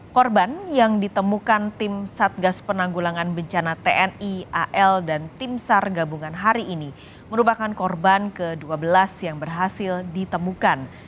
korban yang ditemukan tim satgas penanggulangan bencana tni al dan tim sar gabungan hari ini merupakan korban ke dua belas yang berhasil ditemukan